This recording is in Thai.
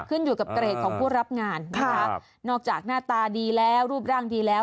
ขึ้นอยู่กับเกรดของผู้รับงานนะคะนอกจากหน้าตาดีแล้วรูปร่างดีแล้ว